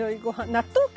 納豆⁉